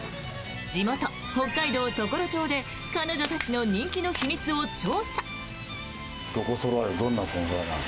地元・北海道常呂町で彼女たちの人気の秘密を調査。